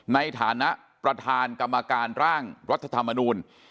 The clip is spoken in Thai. ในฐานะประธานกรรมการร่างรัฐธรรมนูล